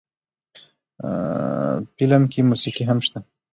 فلم کښې موسيقي هم شته